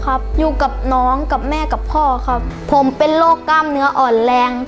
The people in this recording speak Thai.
ครับอยู่กับน้องกับแม่กับพ่อครับผมเป็นโรคกล้ามเนื้ออ่อนแรง